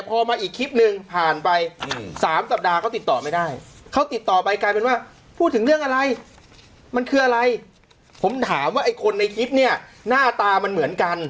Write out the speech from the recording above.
พูดถึงเรื่องอะไรมันคืออะไรผมถามว่าไอ้คนในคลิปเนี่ยหน้าตามันเหมือนกัน